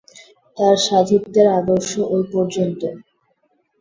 তাদের সাধুত্বের আদর্শ ঐ পর্যন্ত।